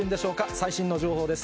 最新の情報です。